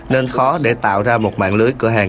nên khó để tạo ra một mạng lưới cửa hàng